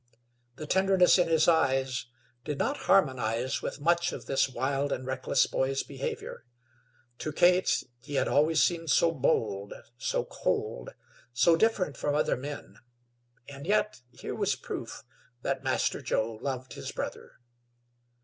The tenderness in his eyes did not harmonize with much of this wild and reckless boy's behavior. To Kate he had always seemed so bold, so cold, so different from other men, and yet here was proof that Master Joe loved his brother.